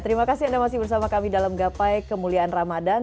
terima kasih anda masih bersama kami dalam gapai kemuliaan ramadan